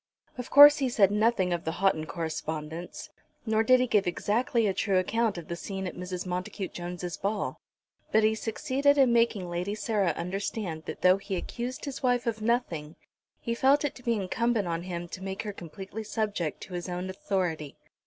Of course he said nothing of the Houghton correspondence, nor did he give exactly a true account of the scene at Mrs. Montacute Jones' ball; but he succeeded in making Lady Sarah understand that though he accused his wife of nothing, he felt it to be incumbent on him to make her completely subject to his own authority.